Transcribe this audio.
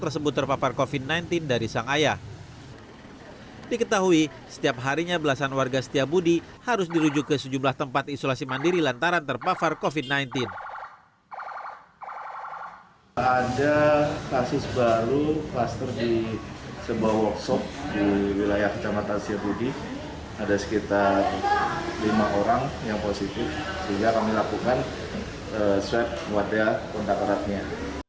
ada sekitar lima orang yang positif sehingga kami lakukan swab wadah kontak eratnya